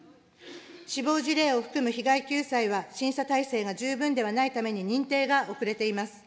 死亡事例を含む被害救済は、審査体制が十分ではないために認定が遅れています。